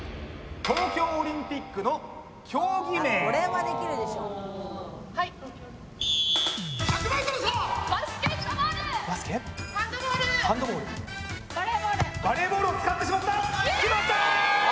東京オリンピックの競技名バレーボールを使ってしまったきまった！